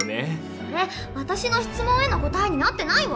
それ私の質問への答えになってないわ。